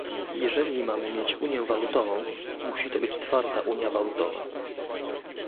Jeżeli mamy mieć unię walutową, musi to być twarda unia walutowa